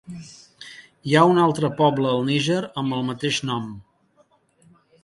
Hi ha un altre poble al Níger amb el mateix nom.